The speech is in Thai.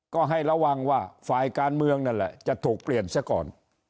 ก็ให้ระวังว่าฝ่ายการเมืองนั่นแหละจะถูกเปลี่ยนเสียก่อน